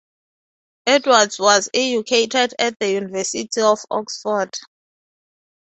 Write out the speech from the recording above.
Edwards was educated at the University of Oxford.